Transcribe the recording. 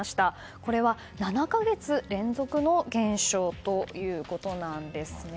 これは７か月連続の減少ということなんですね。